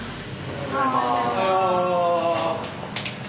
おはよう。